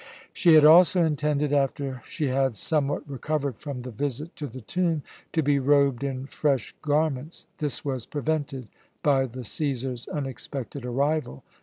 She had also intended, after she had somewhat recovered from the visit to the tomb, to be robed in fresh garments. This was prevented by the Cæsar's unexpected arrival.